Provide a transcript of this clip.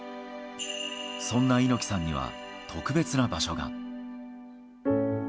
そんな猪木さんには、特別な場所が。